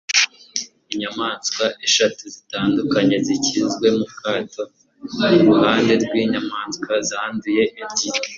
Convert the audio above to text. inyamaswa eshatu zitanduye zashyizwe mu kato iruhande rw'inyamaswa zanduye ebyiri